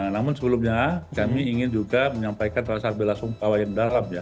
namun sebelumnya kami ingin juga menyampaikan rasar bela sumpah yang darab ya